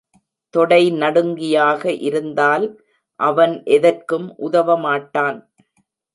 தொடை நடுங்கியாக இருந்தால் அவன் எதற்கும் உதவமாட்டான்.